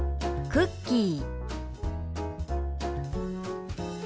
「クッキー」。